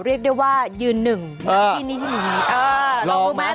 เรียกได้ว่ายืนหนึ่งหนึ่งที่นี่หนึ่งที่นี่